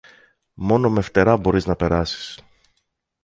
Μόνο με φτερά μπορείς να περάσεις.